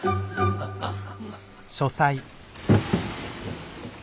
ハハハハ。